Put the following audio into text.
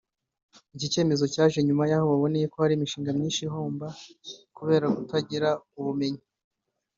Iki cyemezo cyaje nyuma y’aho baboneye ko hari imishinga myinshi ihomba kubera kutagira ubumenyi